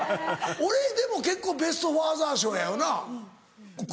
俺でも結構ベスト・ファーザー賞よな？